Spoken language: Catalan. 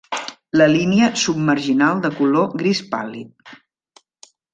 La línia submarginal de color gris pàl·lid.